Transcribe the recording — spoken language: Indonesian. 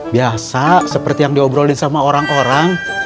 biasa seperti yang diobrolin sama orang orang